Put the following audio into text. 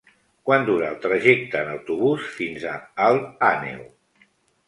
Quant dura el trajecte en autobús fins a Alt Àneu?